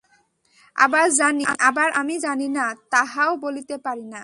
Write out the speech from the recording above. আবার আমি জানি না, তাহাও বলিতে পারি না।